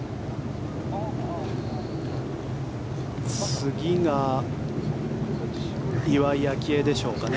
次が岩井明愛でしょうかね。